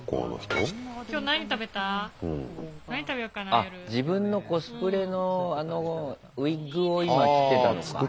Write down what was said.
あっ自分のコスプレのウイッグを今切ってたのか。